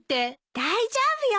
大丈夫よ。